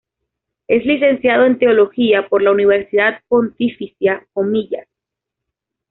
Es licenciado en Teología por la Universidad Pontificia Comillas.